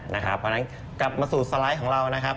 นะครับวันนั้นกลับมาสู่สไลด์ของเรานะครับ